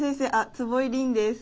坪井凜です。